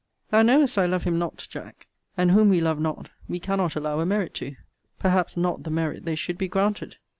Thou knowest I love him not, Jack; and whom we love not we cannot allow a merit to! perhaps not the merit they should be granted.